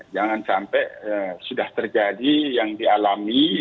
jangan sampai sudah terjadi yang dialami